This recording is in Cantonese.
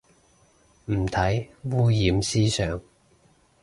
唔睇，污染思想